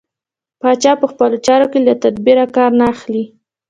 پاچا په خپلو چارو کې له تدبېره کار نه اخلي.